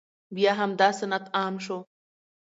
بیا همدا سنت عام شو،